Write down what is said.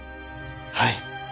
はい。